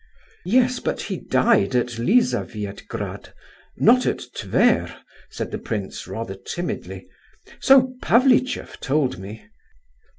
"Yes, but he died at Elizabethgrad, not at Tver," said the prince, rather timidly. "So Pavlicheff told me."